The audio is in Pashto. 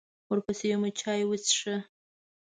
ورپسې مو چای وڅښه.